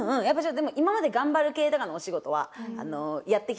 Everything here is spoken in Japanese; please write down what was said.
でも今まで頑張る系とかのお仕事はやってきた。